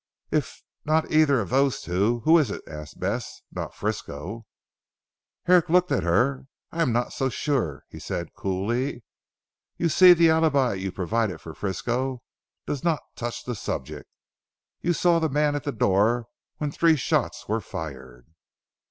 "If not either of those two, who is it?" asked Bess. "Not Frisco?" Herrick looked at her, "I am not so sure," he said coolly, "you see the alibi you provide for Frisco does not touch the subject. You saw the man at the door when three shots were fired.